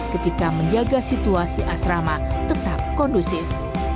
ketika menjaga situasi asrama tetap kondusif